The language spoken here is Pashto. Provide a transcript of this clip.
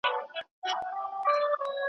پت د خپل کهاله یې په صدف کي دی ساتلی .